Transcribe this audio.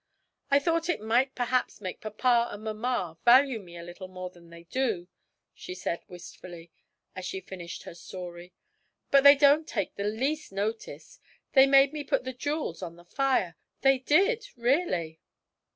'I thought it might perhaps make papa and mamma value me a little more than they do,' she said wistfully, as she finished her story, 'but they don't take the least notice; they made me put the jewels on the fire they did, really!'